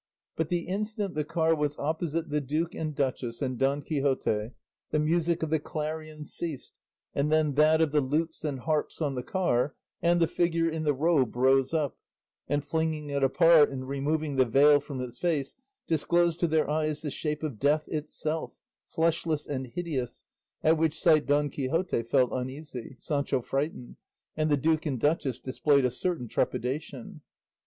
But the instant the car was opposite the duke and duchess and Don Quixote the music of the clarions ceased, and then that of the lutes and harps on the car, and the figure in the robe rose up, and flinging it apart and removing the veil from its face, disclosed to their eyes the shape of Death itself, fleshless and hideous, at which sight Don Quixote felt uneasy, Sancho frightened, and the duke and duchess displayed a certain trepidation.